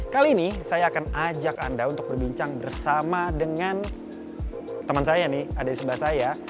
kali ini saya akan ajak anda untuk berbincang bersama dengan teman saya nih ada di sebelah saya